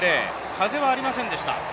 風はありませんでした。